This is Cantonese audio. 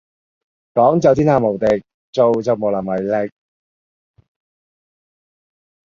講就天下無敵，做就無能為力